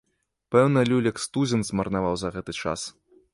Пэўна люлек з тузін змарнаваў за гэты час.